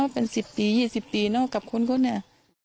เป็นสิบปียี่สิบปีกับคนนี่